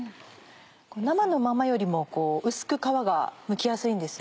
生のままよりも薄く皮がむきやすいんですね。